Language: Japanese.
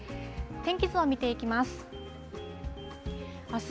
天気図を見ていきます。